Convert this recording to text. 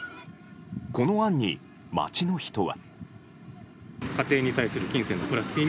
この案に街の人は。